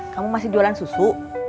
kamu masih jualan susu